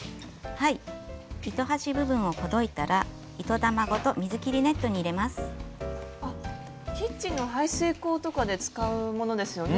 糸端部分をほどいたらキッチンの排水口とかで使うものですよね。